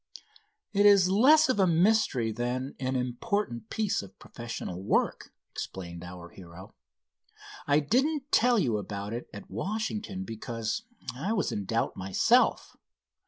"It is less of a mystery than an important piece of professional work," explained our hero. "I didn't tell you about it at Washington, because I was in doubt myself.